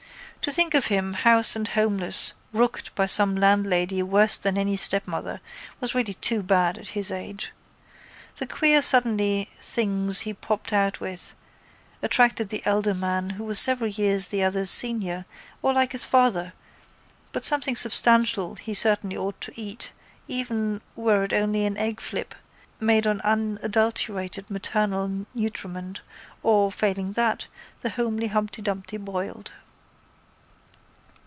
To think of him house and homeless, rooked by some landlady worse than any stepmother, was really too bad at his age. The queer suddenly things he popped out with attracted the elder man who was several years the other's senior or like his father but something substantial he certainly ought to eat even were it only an eggflip made on unadulterated maternal nutriment or, failing that, the homely Humpty Dumpty boiled.